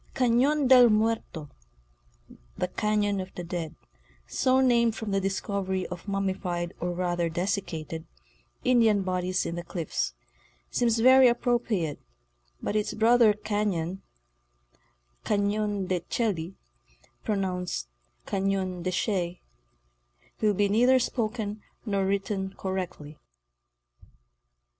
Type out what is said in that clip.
Cation del Muerto "—the Cafion of the Dead—so named from the discovery of mummified or rather dessicated Indian bodies in its cliffs—seems very appropriate, but its brother cahon—" Cafion de Chelly," pronounced Cafion de Shay, will be neither spoken nor written correctly.